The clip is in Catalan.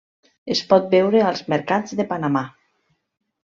Es pot veure als mercats de Panamà.